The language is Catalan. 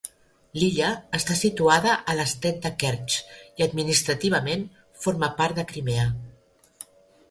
L'illa està situada a l'estret de Kertx i administrativament forma part de Crimea.